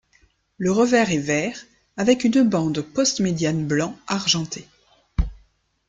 Le revers est vert avec une bande postmédiane blanc argenté.